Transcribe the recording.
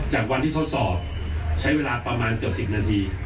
จากวันที่ทดสอบใช้เวลาประมาณเกี่ยวกับสิบนาที